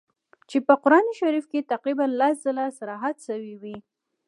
چي په قرآن شریف کي یې تقریباً لس ځله صراحت سوی وي.